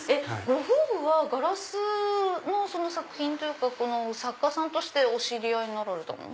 ご夫婦はガラスの作品というか作家さんとしてお知り合いになられたの？